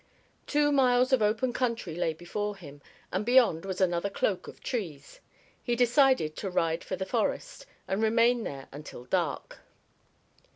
Two miles of open country lay before him, and beyond was another cloak of trees. He decided to ride for the forest, and remain there until dark.